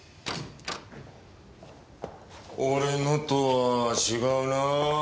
俺のとは違うなぁ。